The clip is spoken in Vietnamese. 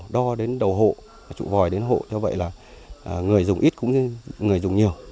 đo đến đầu hộ trụ vòi đến hộ cho vậy là người dùng ít cũng như người dùng nhiều